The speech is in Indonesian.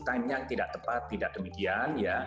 tanya yang tidak tepat tidak demikian